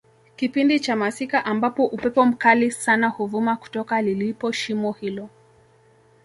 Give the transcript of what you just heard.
kipindi cha masika ambapo upepo mkali sana huvuma kutoka lilipo shimo hilo